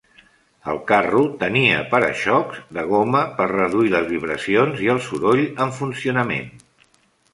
El carro tenia para-xocs de goma per reduir les vibracions i el soroll en funcionament.